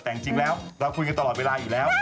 แต่จริงแล้วเราคุยกันตลอดเวลาอยู่แล้ว